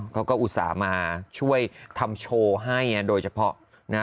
เขาก็อุตส่าห์มาช่วยทำโชว์ให้